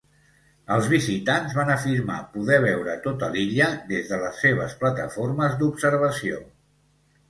Els visitants van afirmar poder veure tota l'illa des de les seves plataformes d'observació.